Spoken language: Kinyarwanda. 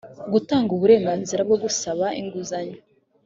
gutanga uburenganzira bwo gusaba inguzanyo